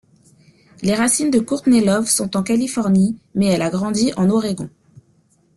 Les racines de Courtney Love sont en Californie, mais elle a grandi en Oregon.